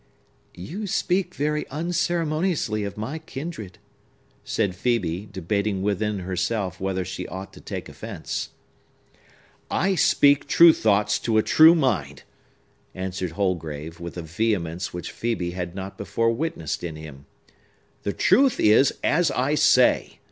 "You speak very unceremoniously of my kindred," said Phœbe, debating with herself whether she ought to take offence. "I speak true thoughts to a true mind!" answered Holgrave, with a vehemence which Phœbe had not before witnessed in him. "The truth is as I say!